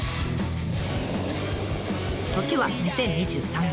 時は２０２３年。